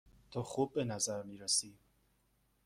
تو خوب به نظر می رسی.